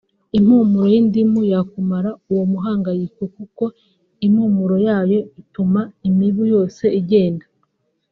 impumuro y’indimu yakumara uwo muhangayiko kuko impumuro yayo ituma imibu yose igenda